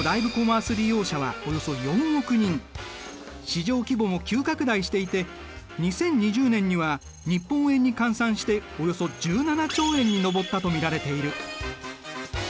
市場規模も急拡大していて２０２０年には日本円に換算しておよそ１７兆円に上ったと見られている。